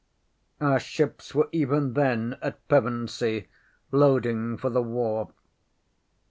Our ships were even then at Pevensey loading for the war.